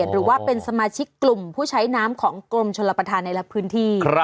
หรือว่าเป็นสมาชิกกลุ่มผู้ใช้น้ำของกรมชลประธานในละพื้นที่